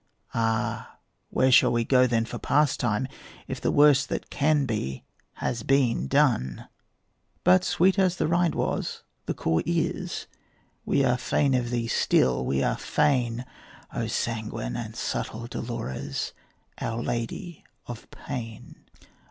Ah, where shall we go then for pastime, If the worst that can be has been done? But sweet as the rind was the core is; We are fain of thee still, we are fain, O sanguine and subtle Dolores, Our Lady of Pain.